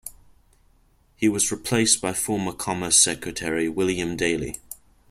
He was replaced by former Commerce Secretary William Daley.